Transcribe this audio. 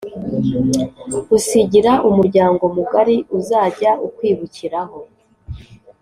usigira umuryango mugari uzajya ukwibukiraho